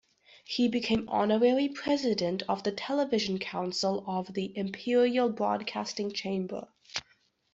He became honorary president of the "television council" of the "Imperial Broadcasting Chamber".